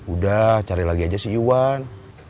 udah cari lagi aja si iwan